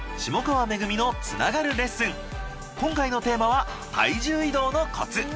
今回のテーマは体重移動のコツ。